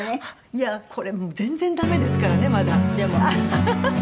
いやこれ全然ダメですからねまだ。